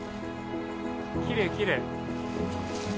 きれいきれい。